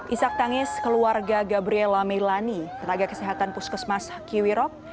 isak tangis keluarga gabriela meilani tenaga kesehatan puskesmas kiwirok